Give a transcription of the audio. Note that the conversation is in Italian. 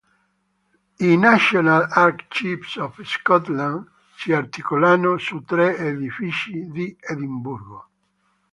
I "National Archives of Scotland" si articolano su tre edifici di Edimburgo.